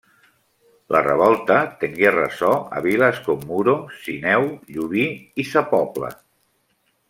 La revolta tengué ressò a viles com Muro, Sineu, Llubí i sa Pobla.